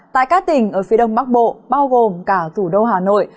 tại các tỉnh ở phía đông bắc bộ bao gồm cả thủ đô hà nội